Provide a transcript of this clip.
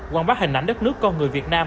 quảng bá hình ảnh đất nước con người việt nam